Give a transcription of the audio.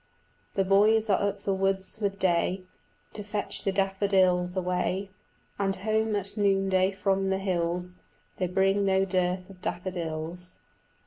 The boys are up the woods with day To fetch the daffodils away, And home at noonday from the hills They bring no dearth of daffodils.